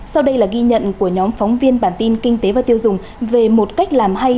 sau đây là ghi nhận của nhóm phóng viên bản tin kinh tế và tiêu dùng về một cách làm hay